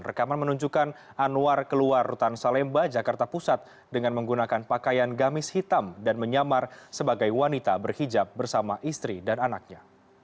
rekaman menunjukkan anwar keluar rutan salemba jakarta pusat dengan menggunakan pakaian gamis hitam dan menyamar sebagai wanita berhijab bersama istri dan anaknya